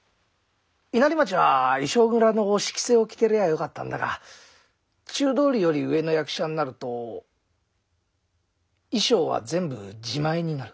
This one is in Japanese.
稲荷町は衣装蔵のお仕着せを着てりゃあよかったんだが中通りより上の役者になると衣装は全部自前になる。